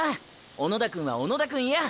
小野田くんは小野田くんや！！